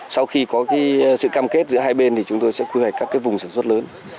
sau khi có sự cam kết giữa hai bên thì chúng tôi sẽ quy hoạch các vùng sản xuất lớn